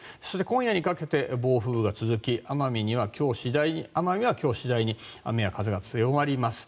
今夜にかけて暴風が続き奄美は今日、次第に雨や風が強まります。